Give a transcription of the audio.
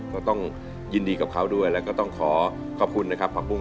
ก็ต้องยินดีกับเขาด้วยแล้วก็ต้องขอขอบคุณนะครับพระปุ้ง